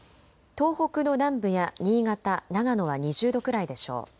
東北の南部や新潟、長野は２０度くらいでしょう。